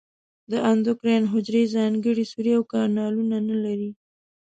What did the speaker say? د اندوکراین حجرې ځانګړي سوري او کانالونه نه لري.